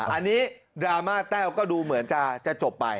อันนี้ดราม่าแต้วก็ดูเหมือนจะจบไป